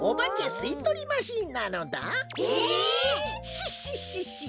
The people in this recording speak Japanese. シッシッシッシッ！